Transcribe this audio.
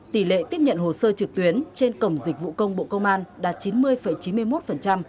tỷ lệ tiếp nhận hồ sơ trực tuyến trên cổng dịch vụ công bộ công an đạt chín mươi chín mươi một